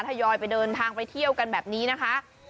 ทยอยไปเดินทางไปเที่ยวกันแบบนี้นะคะ